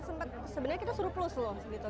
sempat sebenarnya kita suruh plus loh